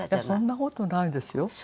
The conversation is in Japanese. そんな事ないですよ。